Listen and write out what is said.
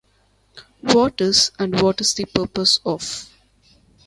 What is and what is the purpose of.